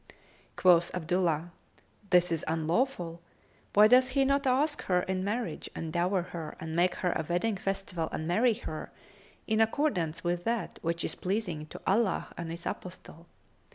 Quoth Abdullah, "This is unlawful! Why doth he not ask her in marriage and dower her and make her a wedding festival and marry her, in accordance with that which is pleasing to Allah and His Apostle?"